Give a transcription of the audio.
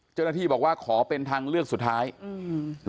เจ้าหน้าที่บอกว่าขอเป็นทางเลือกสุดท้ายอืม